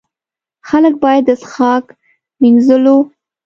خلک باید د څښاک، مینځلو.